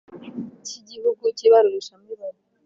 Cy igihugu cy ibarurishamibare